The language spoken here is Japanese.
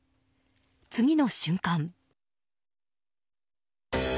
次の瞬間。